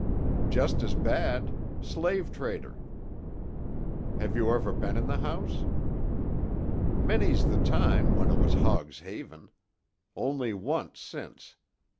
"Just as bad: slave trader." "Have you ever been in the house?" "Many's the time, when it was Hogg's Haven. Only once, since.